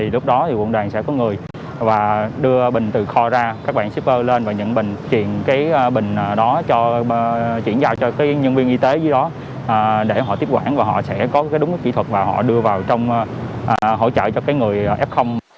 lúc đó quận đoàn sẽ có người đưa bình từ kho ra các bạn shipper lên và nhận bình chuyển vào cho nhân viên y tế để họ tiếp quản và họ sẽ có đúng kỹ thuật và họ đưa vào trong hỗ trợ cho người f